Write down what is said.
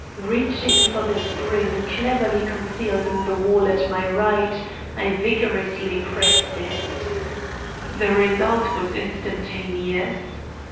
Reaching for the spring cleverly concealed in the wall at my right I vigorously pressed it. The result was instantaneous.